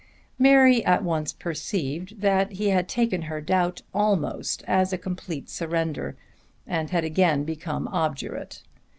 Mary at once perceived that he had taken her doubt almost as a complete surrender, and had again to become obdurate.